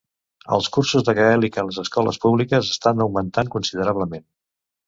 Els cursos de gaèlic en les escoles públiques estan augmentant considerablement.